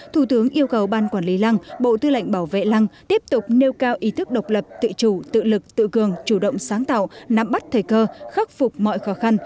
thủ tướng yêu cầu ban quản lý lăng bộ tư lệnh bảo vệ lăng tiếp tục nêu cao ý thức độc lập tự chủ tự lực tự cường chủ động sáng tạo nắm bắt thời cơ khắc phục mọi khó khăn